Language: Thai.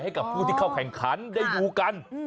ให้กับผู้ที่เข้าแข่งขันได้ดูกัน